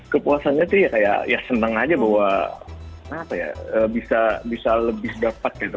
kepuasannya sih kayak ya seneng aja bahwa bisa lebih dapat gitu